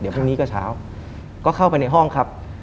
พรุ่งนี้ก็เช้าก็เข้าไปในห้องครับ